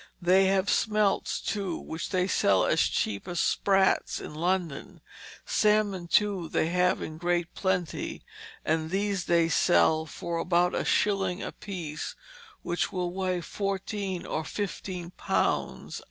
They have smelts, too, which they sell as cheap as sprats in London. Salmon, too, they have in great plenty, and these they sell for about a shilling apiece which will weigh fourteen or fifteen pounds."